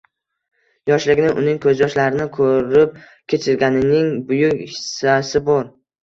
yoshligini uning ko'zyoshlarini ko'rib kechirganining buyuk hissasi bor.